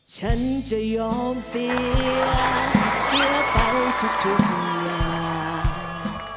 ฉันจะยอมเสียเสียไปทุกอย่าง